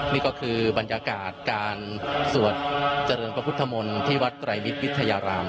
นี่ก็คือบรรยากาศการสวดเจริญพระพุทธมนตร์ที่วัดไตรมิตรวิทยาราม